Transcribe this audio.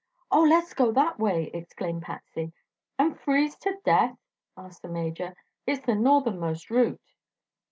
"Oh, let's go that way!" exclaimed Patsy. "And freeze to death?" asked the Major. "It's the northernmost route."